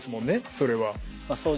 それは。